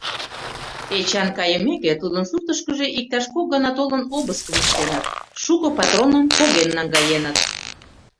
Эчан кайымеке, тудын суртышкыжо иктаж кок гана толын, обыскым ыштеныт, шуко патроным поген наҥгаеныт.